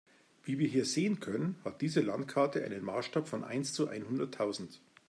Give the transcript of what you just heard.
Wie wir hier sehen können, hat diese Landkarte einen Maßstab von eins zu einhunderttausend.